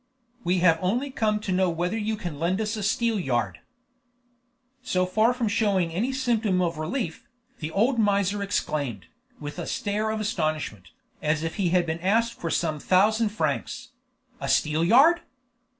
"We have only come to know whether you can lend us a steelyard." So far from showing any symptom of relief, the old miser exclaimed, with a stare of astonishment, as if he had been asked for some thousand francs: "A steelyard?"